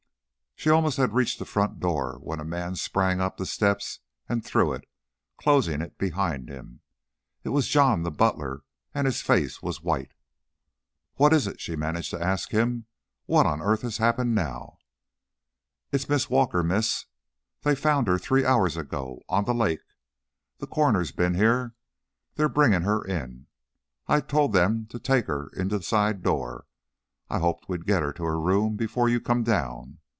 She almost had reached the front door when a man sprang up the steps and through it, closing it behind him. It was John, the butler, and his face was white. "What is it?" she managed to ask him. "What on earth has happened now?" "It's Miss Walker, Miss. They found her three hours ago on the lake. The coroner's been here. They're bringing her in. I told them to take her in the side door. I hoped we'd get her to her room before you come down.